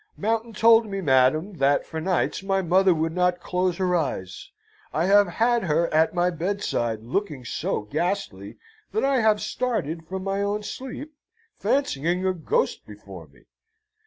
Mountain told me, madam, that, for nights, my mother would not close her eyes. I have had her at my bedside, looking so ghastly, that I have started from my own sleep, fancying a ghost before me.